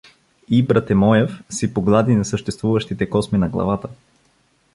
И Братемойев си поглади несъществуващите косми на главата.